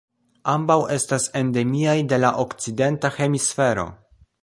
Ambaŭ estas endemiaj de la Okcidenta Hemisfero.